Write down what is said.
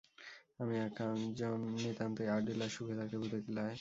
আমি একজন নিতান্তই আর্ট ডিলার সুখে থাকতে ভূতে কিলায়।